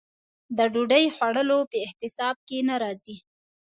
د ډوډۍ خوړلو په اعتصاب کې نه راځي.